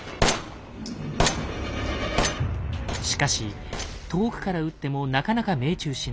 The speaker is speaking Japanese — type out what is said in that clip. しかし遠くから撃ってもなかなか命中しない。